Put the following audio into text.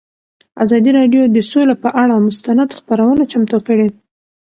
ازادي راډیو د سوله پر اړه مستند خپرونه چمتو کړې.